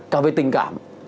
cả về tình cảm